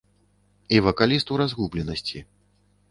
І вакаліст у разгубленасці.